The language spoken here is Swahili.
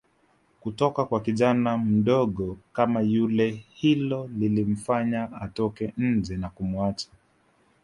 kutoka kwa kijana mdogo kama yule hilo lilimfanya atoke nje na kumuacha